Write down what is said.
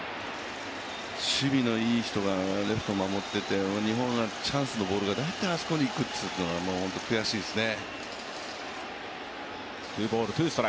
守備のいい人がレフトを守ってて日本のチャンスのボールが大体あそこにいくというのがホントに悔しいですね。